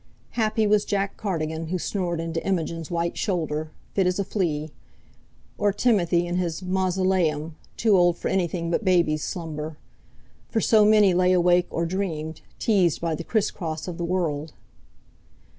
Happy was Jack Cardigan who snored into Imogen's white shoulder, fit as a flea; or Timothy in his "mausoleum," too old for anything but baby's slumber. For so many lay awake, or dreamed, teased by the criss cross of the world.